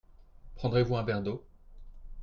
Prendrez-vous un verre d'eau.